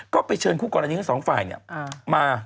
ก็ไปเชินคู่กรณีของ๒ฝ่ายมา